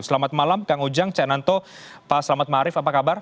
selamat malam kang ujang cak nanto pak selamat ma'arif apa kabar